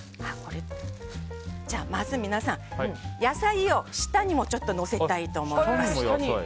まず皆さん、野菜を下にものせたいと思います。